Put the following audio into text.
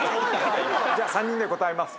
じゃあ３人で答えます。